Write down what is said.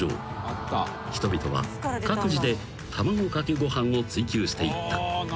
［人々は各自で卵かけご飯を追求していった］